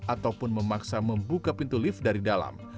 ataupun memaksa membuka pintu lift dari dalam